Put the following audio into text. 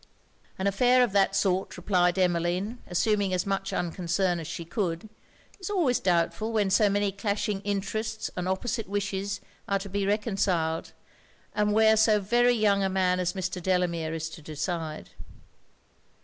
'An affair of that sort,' replied Emmeline, assuming as much unconcern as she could, 'is always doubtful where so many clashing interests and opposite wishes are to be reconciled, and where so very young a man as Mr. Delamere is to decide.'